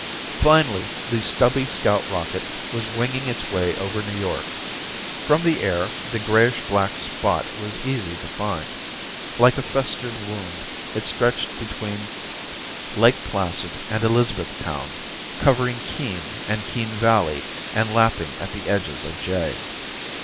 Finally, the stubby scout rocket was winging its way over New York. From the air, the grayish black spot was easy to find. Like a festered wound, it stretched between Lake Placid and Elizabethtown, covering Keene and Keene Valley, and lapping at the edges of Jay.